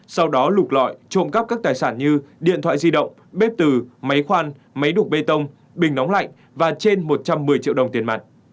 sau đó lục lọi trộm cắp các tài sản như điện thoại di động bếp từ máy khoan máy đục bê tông bình nóng lạnh và trên một trăm một mươi triệu đồng tiền mặt